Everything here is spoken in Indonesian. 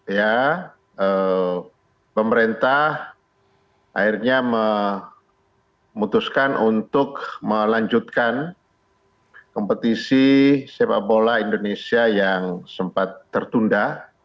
ya pemerintah akhirnya memutuskan untuk melanjutkan kompetisi sepak bola indonesia yang sempat tertunda